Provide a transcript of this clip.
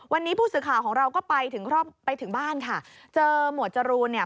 วันนี้ผู้สื่อข่าวของเราก็ไปถึงรอบไปถึงบ้านค่ะเจอหมวดจรูนเนี่ย